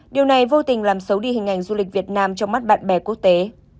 điều này vô tình làm xấu đi hình ảnh du lịch việt nam trong mắt bạn bè quốc tế